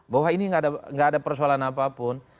bahwa ini tidak ada persoalan apapun